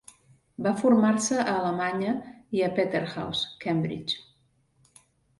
Va formar-se a Alemanya i a Peterhouse, Cambridge.